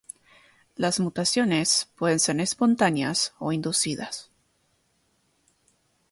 Las mutaciones pueden ser espontáneas o inducidas.